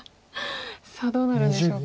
さあどうなるんでしょうか。